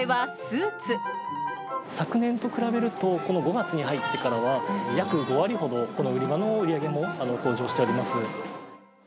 昨年と比べると、この５月に入ってからは、約５割ほど、この売り場の売り上げも向上しております。